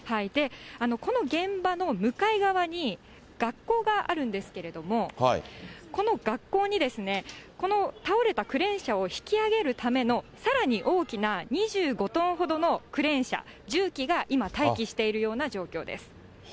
この現場の向かい側に、学校があるんですけれども、この学校にこの倒れたクレーン車を引き上げるためのさらに大きな２５トンほどのクレーン車、重機が今、待機しているような状況です。